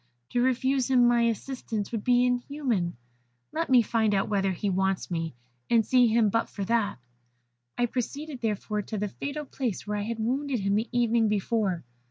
To refuse him my assistance would be inhuman. Let me find out whether he wants me, and see him but for that.' "I proceeded, therefore, to the fatal place where I had wounded him the evening before.